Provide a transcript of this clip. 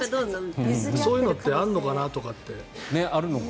そういうのってあるのかなとかって。